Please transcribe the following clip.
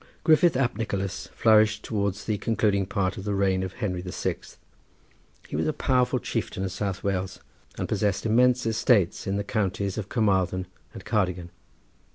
Griffith ap Nicholas flourished towards the concluding part of the reign of Henry the Sixth. He was a powerful chieftain of South Wales and possessed immense estates in the counties of Carmarthen and Cardigan.